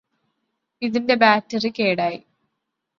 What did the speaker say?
ഇതിന്റെ ബാറ്ററി കേടായി